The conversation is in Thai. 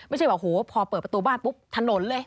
ไม่ใช่แบบโหพอเปิดประตูบ้านปุ๊บถนนเลย